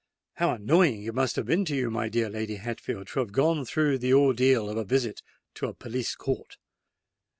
How annoying it must have been to you, my dear Lady Hatfield, to have gone through the ordeal of a visit to a police court!"